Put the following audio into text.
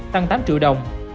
tăng tám triệu đồng